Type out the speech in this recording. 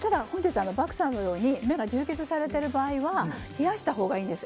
漠さんのように目が充血されている場合は冷やしてあげたほうがいいんです。